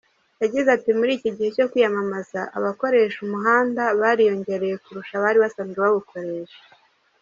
Yagize ati ”Muri iki gihe cyo kwiyamamaza, abakoresha umuhanda bariyongereye kurusha abari basanzwe bawukoresha.